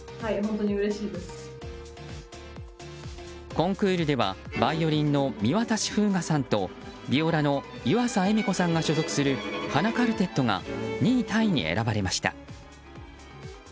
コンクールではバイオリンの見渡風雅さんとビオラの湯浅江美子さんが所属するハナ・カルテットが２位タイに選ばれました。